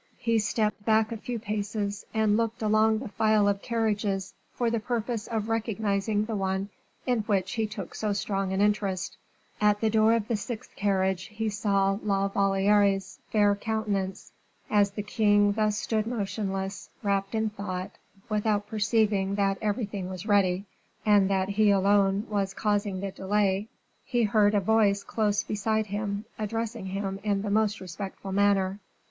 He stepped back a few paces, and looked along the file of carriages for the purpose of recognizing the one in which he took so strong an interest. At the door of the sixth carriage he saw La Valliere's fair countenance. As the king thus stood motionless, wrapt in thought, without perceiving that everything was ready, and that he alone was causing the delay, he heard a voice close beside him, addressing him in the most respectful manner.